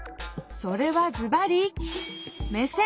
それはズバリ「目線」。